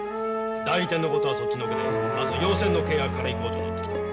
代理店のことはそっちのけでまず用船の契約からいこうと乗ってきた。